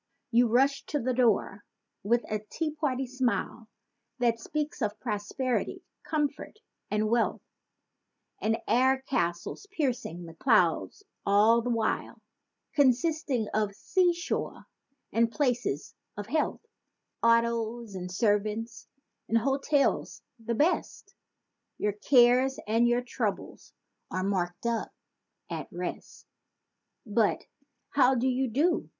You rush to the door with a "Tea party" smile That speaks of prosperity, comfort and wealth; And air castles piercing the clouds all the while: Consisting of "sea shore" and "places of health"— Autos and servants and hotels—the best; Your cares and your troubles are marked up—"At Rest!" But! "How do you do?"